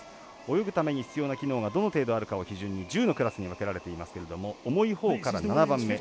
泳ぐために必要な機能がどの程度あるかを基準に１０のクラスに分けられていますけれども重いほうから７番目。